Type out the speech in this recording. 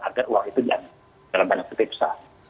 agar uang itu jangan dalam panjang setiap usaha